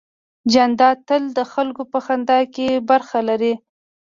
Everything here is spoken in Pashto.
جانداد تل د خلکو په خندا کې برخه لري.